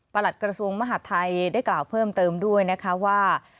หลัดกระทรวงมหาดไทยได้กล่าวเพิ่มเติมด้วยนะคะว่า